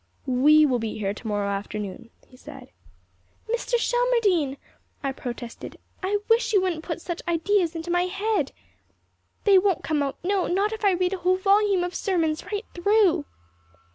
"We will be here tomorrow afternoon," he said. "Mr. Shelmardine!" I protested. "I wish you wouldn't put such ideas into my head. They won't come out no, not if I read a whole volume of sermons right through."